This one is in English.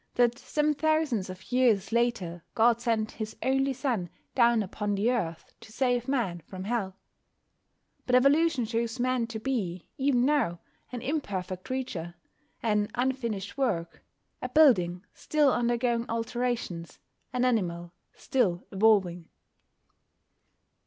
That some thousands of years later God sent His only Son down upon the earth to save Man from Hell. But evolution shows Man to be, even now, an imperfect creature, an unfinished work, a building still undergoing alterations, an animal still evolving.